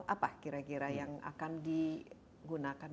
apa kira kira yang akan digunakan